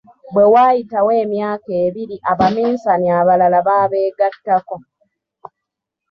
Bwe waayitawo emyaka ebiri Abaminsani abalala baabeegattako.